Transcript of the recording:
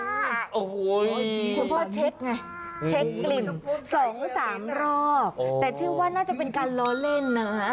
โอ้โหคุณพ่อเช็คไงเช็คกลิ่น๒๓รอบแต่เชื่อว่าน่าจะเป็นการล้อเล่นนะ